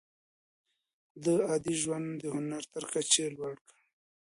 ده عادي ژوند د هنر تر کچې لوړ کړ.